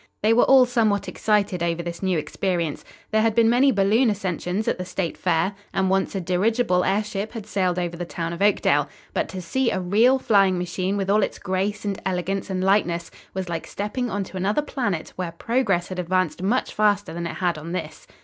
They were all somewhat excited over this new experience. There had been many balloon ascensions at the State Fair, and once a dirigible airship had sailed over the town of Oakdale. But to see a real flying machine with all its grace and elegance and lightness was like stepping onto another planet where progress had advanced much faster than it had on this.